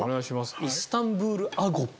イスタンブール・アゴップ。